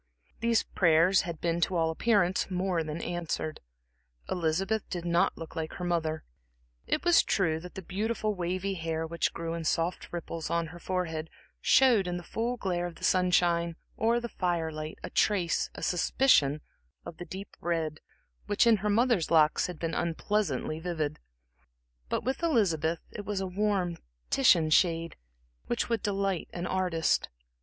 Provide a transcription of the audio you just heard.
These prayers had been to all appearance more than answered. Elizabeth did not look like her mother. It was true that the beautiful, wavy hair, which grew in soft ripples on her forehead, showed in the full glare of the sunshine or the firelight a trace, a suspicion of the deep red which in her mother's locks had been unpleasantly vivid; but with Elizabeth, it was a warm Titian shade which would delight an artist.